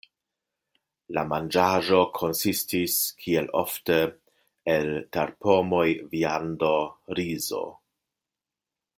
La manĝaĵo konsistis kiel ofte, el terpomoj, viando, rizo.